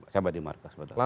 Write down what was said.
sampai di markas betul